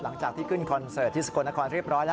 หลังจากที่ขึ้นคอนเสิร์ตที่สกลนครเรียบร้อยแล้ว